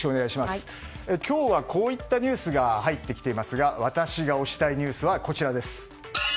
今日はこういったニュースが入ってきていますが私が推したいニュースはこちらです。